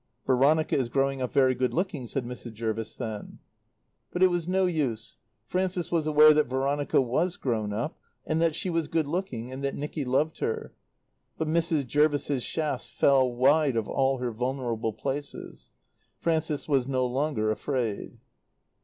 "Veronica is growing up very good looking," said Mrs. Jervis then. But it was no use. Frances was aware that Veronica was grown up, and that she was good looking, and that Nicky loved her; but Mrs. Jervis's shafts fell wide of all her vulnerable places. Frances was no longer afraid.